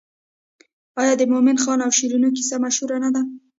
آیا د مومن خان او شیرینو کیسه مشهوره نه ده؟